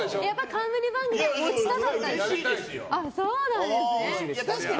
冠番組は持ちたかったですか。